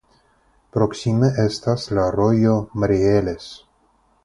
Proksime estas la rojo Marieles.